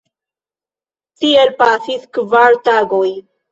Tiel pasis kvar tagoj.